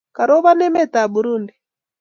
Karoban emet ab Burundi